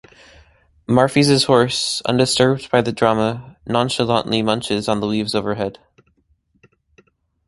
Marphise's horse, undisturbed by the drama, nonchalantly munches on the leaves overhead.